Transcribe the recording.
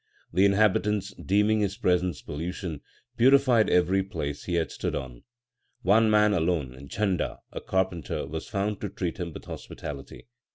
The inhabitants, deeming his presence pollution, purified every place he had stood on. One man alone, Jhanda, a carpenter, was found to treat him with hospitality.